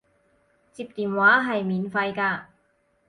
接電話係免費㗎